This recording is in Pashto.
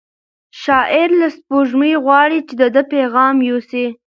شاعر له سپوږمۍ غواړي چې د ده پیغام یوسي.